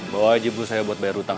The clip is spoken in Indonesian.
bawa aja dulu saya buat bayar hutang